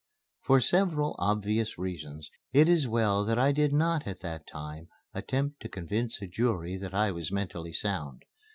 For several obvious reasons it is well that I did not at that time attempt to convince a jury that I was mentally sound.